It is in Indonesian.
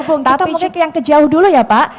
kita mungkin yang kejauh dulu ya pak